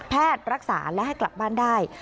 รักษาและให้กลับบ้านได้